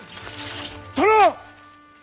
殿！